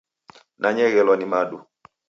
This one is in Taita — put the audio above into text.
Nanyeghelwa ni madu.